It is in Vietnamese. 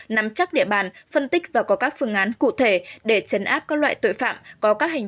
nắm chắc địa bàn phân tích và có các phương án cụ thể để chấn áp các loại tội phạm có các hành